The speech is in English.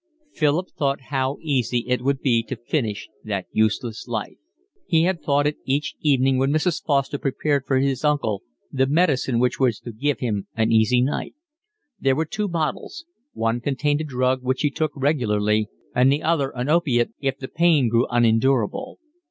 Philip thought how easy it would be to finish that useless life. He had thought it each evening when Mrs. Foster prepared for his uncle the medicine which was to give him an easy night. There were two bottles: one contained a drug which he took regularly, and the other an opiate if the pain grew unendurable.